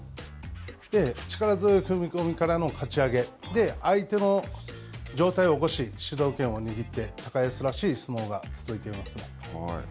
力強い踏み込みからのかち上げ、相手の上体を起こし、主導権を握って、高安らしい相撲が続いていますね。